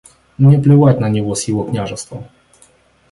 Мне плевать на него с его княжеством.